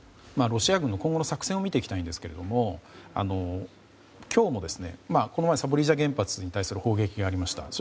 ロシア軍の今後の作戦を見ていきたいんですけれども今日もこの前ザポリージャ原発に対する砲撃がありました。